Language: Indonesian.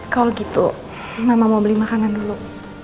kalau gitu mama mau beli makanan dulu